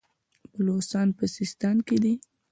بلوڅان په سیستان کې دي.